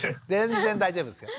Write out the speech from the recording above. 全然大丈夫ですよ。